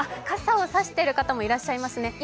傘を差している方もいらっしゃいますね。